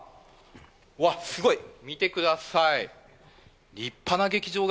わっ、すごい、見てください。